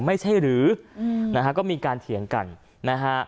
ไม่ใช่หรือนะฮะก็มีการเถียงกันนะฮะ